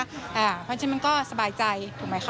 เพราะฉะนั้นมันก็สบายใจถูกไหมคะ